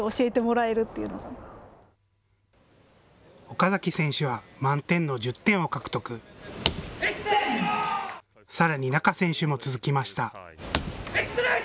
岡崎選手は満点の１０点を獲得、さらに仲選手も続きました。